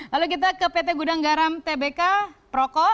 lalu kita ke pt gudang garam tbk proko